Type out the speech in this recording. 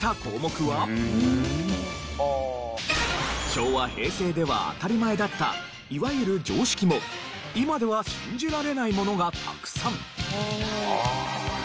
昭和・平成では当たり前だったいわゆる常識も今では信じられないものがたくさん。